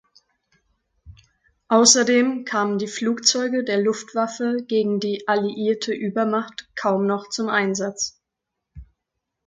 Außerdem kamen die Flugzeuge der Luftwaffe gegen die alliierte Übermacht kaum noch zum Einsatz.